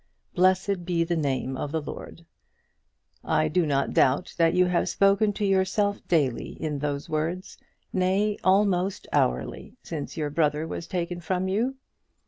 Blessed be the name of the Lord. I do not doubt that you have spoken to yourself daily in those words, nay, almost hourly, since your brother was taken from you.